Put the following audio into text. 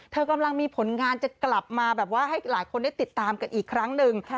กำลังมีผลงานจะกลับมาแบบว่าให้หลายคนได้ติดตามกันอีกครั้งหนึ่ง